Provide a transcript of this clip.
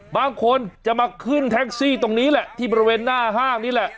บางคนจะมาขึ้นแท็กซี่ตรงนี้แหละที่บริเวณหน้าห้างนี่แหละ